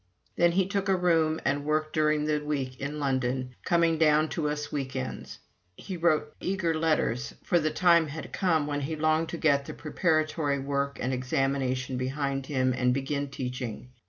Then he took a room and worked during the week in London, coming down to us week ends. He wrote eager letters, for the time had come when he longed to get the preparatory work and examination behind him and begin teaching.